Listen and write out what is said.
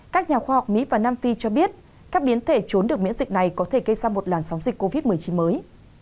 các nhà khoa học mỹ và nam phi cho biết các biến thể trốn được miễn dịch này có thể gây ra một làn sóng dịch covid một mươi chín mới